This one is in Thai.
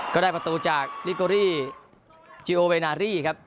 ก็ได้ประตูจากลิเกอรี่จิโอเวนารี่ครับ